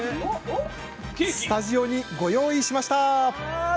スタジオにご用意しました！